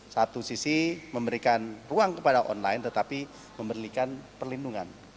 satu sisi memberikan ruang kepada online tetapi memberikan perlindungan